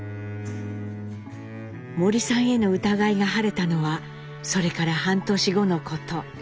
森さんへの疑いが晴れたのはそれから半年後のこと。